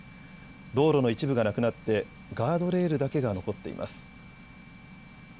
道路の一部がなくなって、ガードレールだけが残っています。